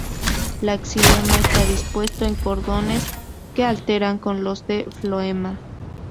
El xilema está dispuesto en cordones que alternan con los de floema.